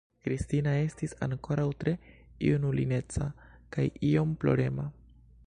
Kristina estis ankoraŭ tre junulineca kaj iom plorema.